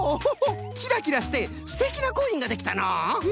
キラキラしてステキなコインができたのう！